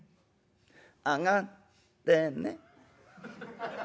上がってね！』。